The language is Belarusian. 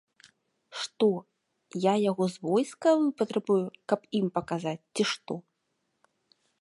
Што, я яго з войска выпатрабую, каб ім паказаць, ці што?